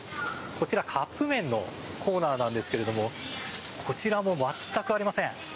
こちらカップ麺のコーナーなんですがこちらも全くありません。